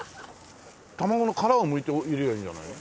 卵の殻をむいて入れりゃあいいんじゃないの？